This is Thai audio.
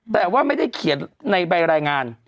แต่ว่าไม่ได้เขียนในใบรายงาน